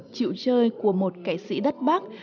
chịu chơi của một kẻ sĩ đất bắc